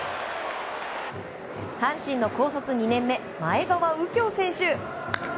阪神の高卒２年目前川右京選手。